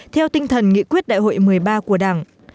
theo tinh thần nghị quyết đại hội một mươi ba của đảng